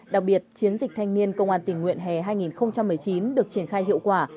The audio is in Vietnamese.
đặc biệt chiến dịch thanh niên công an tình nguyện hè hai nghìn một mươi chín được triển khai hiệu quả